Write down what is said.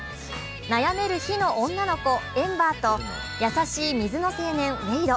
悩める火の女の子、エンバーと優しい水の青年・ウェイド。